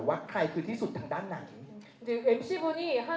ว่าใครคือที่สุดทางด้านไหน